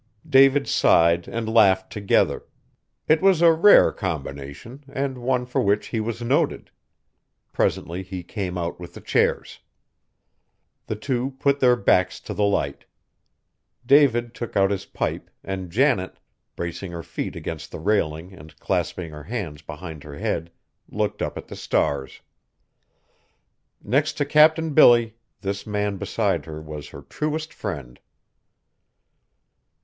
David sighed and laughed together; it was a rare combination, and one for which he was noted. Presently he came out with the chairs. The two put their backs to the Light. David took out his pipe, and Janet, bracing her feet against the railing and clasping her hands behind her head, looked up at the stars. Next to Captain Billy, this man beside her was her truest friend.